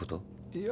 いや。